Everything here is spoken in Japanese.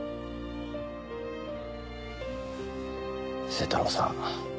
清太郎さん。